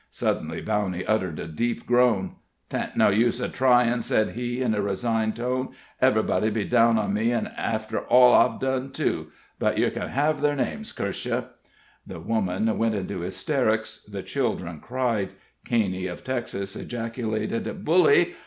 Suddenly Bowney uttered a deep groan. "'Tain't no use a tryin'," said he, in a resigned tone. "Everybody'll be down on me, an' after all I've done, too! But yer ken hev their names, curse yer!" The woman went into hysterics; the children cried; Caney, of Texas, ejaculated, "Bully!"